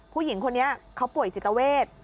ผู้หญิงคนนี้เขาป่วยจิตเวท